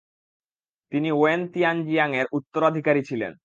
তিনি ওয়েন তিয়ানজিয়াংয়ের উত্তরাধিকারী ছিলেন।